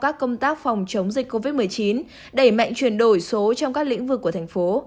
các công tác phòng chống dịch covid một mươi chín đẩy mạnh chuyển đổi số trong các lĩnh vực của thành phố